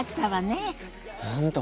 本当